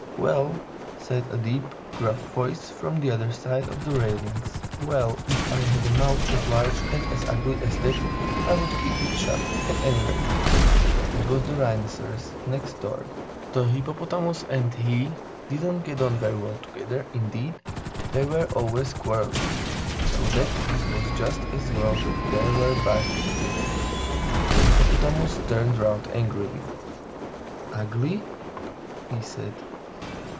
"Well!" said a deep, gruff voice from the other side of the railings. "Well! If I had a mouth as large and as ugly as that I would keep it shut, at any rate." It was the Rhinoceros, next door. The Hippopotamus and he didn't get on very well together; indeed, they were always quarreling, so that it was just as well that there were bars between them. The Hippopotamus turned round angrily. "Ugly?" he said.